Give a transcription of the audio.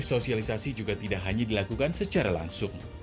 sosialisasi juga tidak hanya dilakukan secara langsung